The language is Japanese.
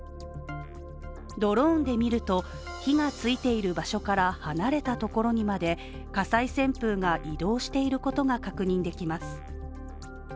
ドローンで見ると、火がついている場所から離れたところにまで、火災旋風が移動していることが確認できます。